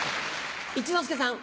一之輔さん。